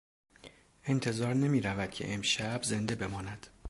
انتظار نمیرود که امشب زنده بماند.